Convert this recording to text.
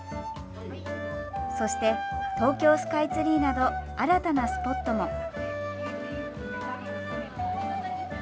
そして東京スカイツリーなど新たなスポットも。